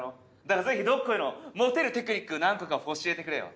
だからぜひどっこいのモテるテクニック何個か教えてくれよ。